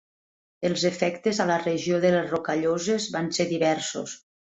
Els efectes a la regió de les Rocalloses van ser diversos.